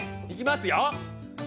いきますよ。